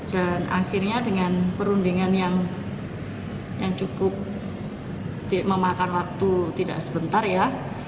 dan akhirnya dengan perundingan yang cukup memakan waktu tidak sebentar ya